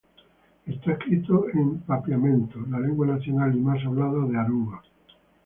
Está escrito en Papiamento, la lengua nacional y más hablada de Aruba.